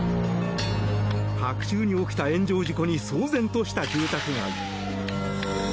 白昼に起きた炎上事故に騒然とした住宅街。